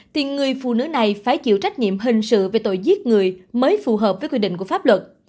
thì người phụ nữ này phải chịu trách nhiệm hình sự về tội giết người mới phù hợp với quy định của pháp luật